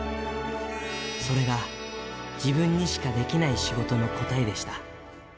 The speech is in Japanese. それが自分にしかできない仕事の答えでした。